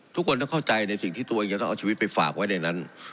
ทุกคนต้องเข้าใจในสิ่งที่ตัวเองจะต้องเอาชีวิตไปฝากไว้ในนั้น